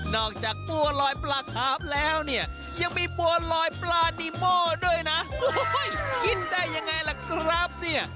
อกจากบัวลอยปลาขาบแล้วเนี่ยยังมีบัวลอยปลานีโม่ด้วยนะกินได้ยังไงล่ะครับเนี่ย